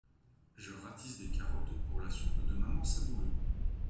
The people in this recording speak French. Je ratisse des carottes pour la soupe de maman Sabouleux.